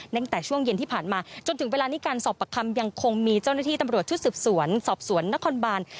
ตั้งแต่ช่วงเย็นที่ผ่านมาจนถึงเวลานี้การสอบประคำยังคงมีเจ้าหน้าที่ตำรวจชุดสืบสวนสอบสวนนครบาน